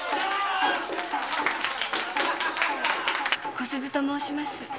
小鈴と申します。